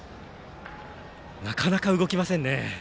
なかなか動きませんね